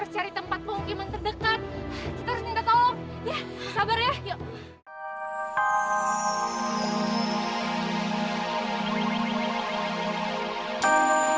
sampai jumpa di video selanjutnya